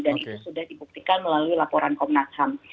dan itu sudah dibuktikan melalui laporan komnas ham